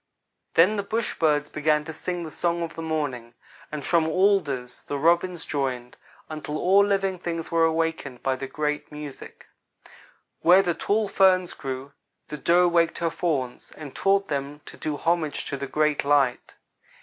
"Then the bush birds began to sing the song of the morning, and from alders the Robins joined, until all live things were awakened by the great music. Where the tall ferns grew, the Doe waked her Fawns, and taught them to do homage to the Great Light.